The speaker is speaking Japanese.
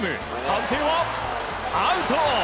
判定は、アウト！